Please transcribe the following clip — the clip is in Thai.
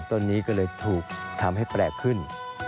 ต้นนี้ก็เลยถูกทำให้แปลกขึ้น